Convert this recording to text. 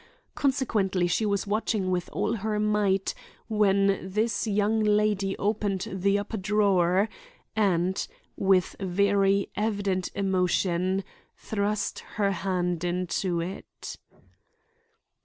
Consequently she was watching with all her might, when this young lady opened the upper drawer and, with very evident emotion, thrust her hand into it.